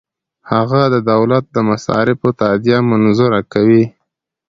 هغه د دولت د مصارفو تادیه منظوره کوي.